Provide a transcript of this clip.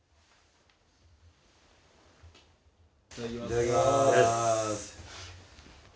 いただきます。